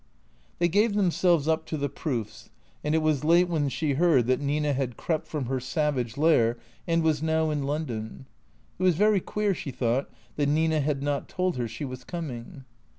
They gave themselves up to the proofs, and it was late when she heard that Nina had crept from her savage lair and was now in London. It was very queer, she thought, that Nina had not told her she was coming.